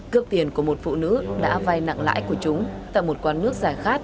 cướp tiền của một phụ nữ đã vay nặng lãi của chúng tại một quán nước giải khát